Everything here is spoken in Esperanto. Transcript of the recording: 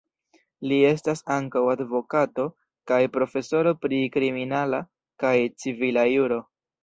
Li estas ankaŭ advokato kaj profesoro pri kriminala kaj civila juro.